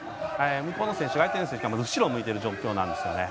日本の選手を相手にするために後ろを向いている状況なんですね。